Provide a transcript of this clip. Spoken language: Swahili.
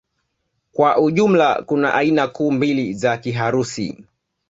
Kwa ujumla kuna aina kuu mbili za Kiharusi